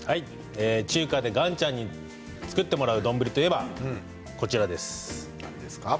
中華で岩ちゃんに作ってもらう丼といえばこちらです。